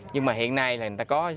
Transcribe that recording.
nhưng mà hiện nay người ta có